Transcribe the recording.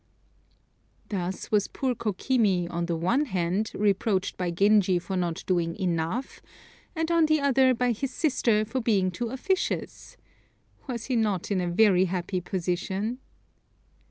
Thus was poor Kokimi, on the one hand, reproached by Genji for not doing enough, and on the other by his sister for being too officious! was he not in a very happy position!